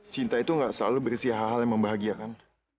cinta itu gak selalu berisi hal hal yang membahagiakan